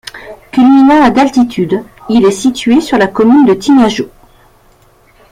Culminant à d'altitude, il est situé sur la commune de Tinajo.